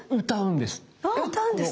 歌うんです！